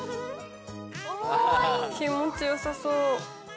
気持ちよさそう。